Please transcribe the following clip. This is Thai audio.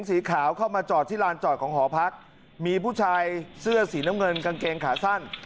สีขาวเข้ามาจอดที่ลานจอดของหอพักมีผู้ชายเสื้อสีน้ำเงินกางเกงขาสั้น